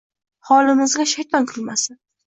Xolimizga shayton kulmasin